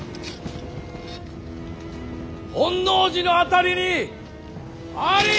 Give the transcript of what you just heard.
本能寺の辺りにあり！